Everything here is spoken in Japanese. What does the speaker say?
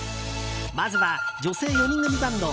まずは、女性４人組バンド